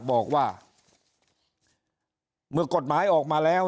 ถ้าท่านผู้ชมติดตามข่าวสาร